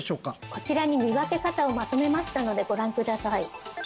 こちらに見分け方をまとめましたのでご覧ください